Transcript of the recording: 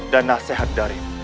dan nasihat darimu